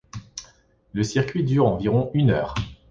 Le circuit dure environ une heure.